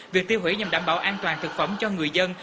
việc tiêu hủy nhằm đảm bảo an toàn thực phẩm cho người dân